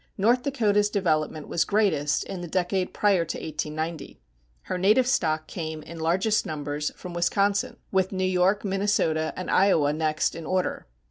North Dakota's development was greatest in the decade prior to 1890. Her native stock came in largest numbers from Wisconsin, with New York, Minnesota, and Iowa next in order.